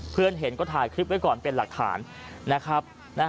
เพื่อนเห็นก็ถ่ายคลิปไว้ก่อนเป็นหลักฐานนะครับ